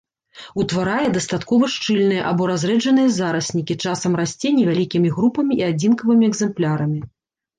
Утварае дастаткова шчыльныя або разрэджаныя зараснікі, часам расце невялікімі групамі і адзінкавымі экземплярамі.